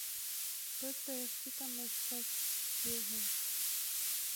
بت پرستی کا مطلب یہ ہے